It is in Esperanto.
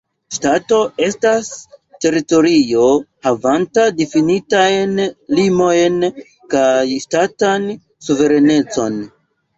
Ŝtato estas teritorio havanta difinitajn limojn kaj ŝtatan suverenecon.